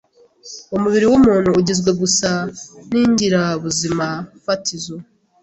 Umubiri wumuntu ugizwe gusa ningirabuzimafatizo.